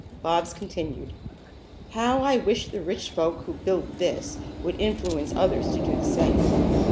Bobs continued: "How I wish the rich folk who built this would influence others to do the same.